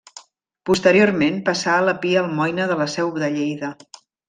Posteriorment, passà a la Pia Almoina de la Seu de Lleida.